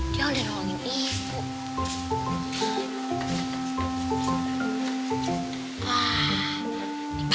dia udah ruangin ibu